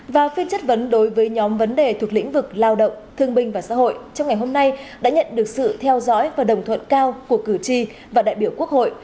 và phiên chất vấn đối với nhóm vấn đề thuộc lĩnh vực lao động thương binh và xã hội trong ngày hôm nay đã nhận được sự theo dõi và đồng thuận cao của cử tri và đại biểu quốc hội